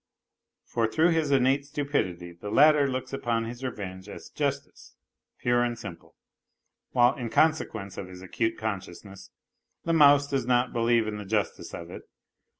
For through his innate stupidity the latter looks upon his revenge as justice pure and simple; while in consequence of his acute consciousness the mouse does not believe in the justice of it.